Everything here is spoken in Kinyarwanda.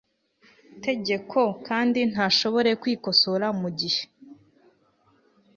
tegeko kandi ntashobore kwikosora mu gihe